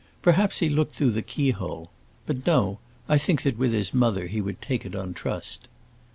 Perhaps he looked through the keyhole. But no; I think that with his mother he would take it on trust."